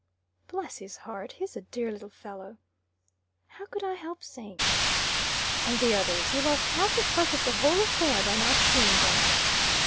"Bless his heart! He's a dear little fellow!" How could I help saying this? "And the others! You lost half the pleasure of the whole affair by not seeing them."